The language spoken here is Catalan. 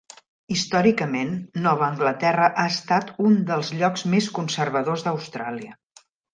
Històricament, Nova Anglaterra ha estat un dels llocs més conservadors d'Austràlia.